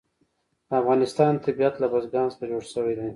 د افغانستان طبیعت له بزګان څخه جوړ شوی دی.